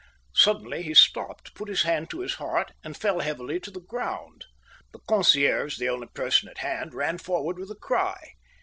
Suddenly he stopped, put his hand to his heart, and fell heavily to the ground. The concierge, the only person at hand, ran forward with a cry.